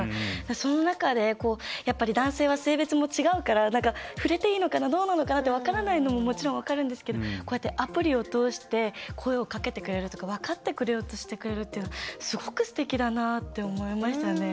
その中でやっぱり男性は性別も違うから触れていいのかなどうなのかなって分からないのももちろん分かるんですけどこうやってアプリを通して声をかけてくれるとか分かってくれようとしてくれるっていうのはすごくすてきだなって思いましたね。